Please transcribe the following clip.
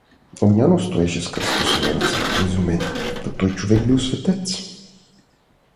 Огнянов стоеше с кръстосани ръце, изумен… — Та тоя човек бил светец!